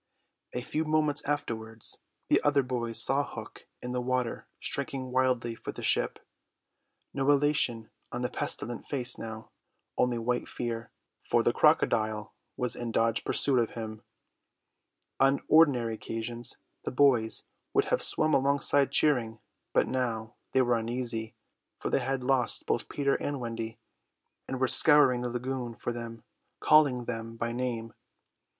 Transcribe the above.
A few moments afterwards the other boys saw Hook in the water striking wildly for the ship; no elation on the pestilent face now, only white fear, for the crocodile was in dogged pursuit of him. On ordinary occasions the boys would have swum alongside cheering; but now they were uneasy, for they had lost both Peter and Wendy, and were scouring the lagoon for them, calling them by name.